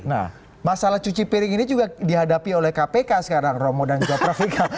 nah masalah cuci piring ini juga dihadapi oleh kpk sekarang romo dan joprafika